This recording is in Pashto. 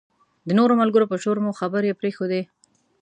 د نورو ملګرو په شور به مو خبرې پرېښودې.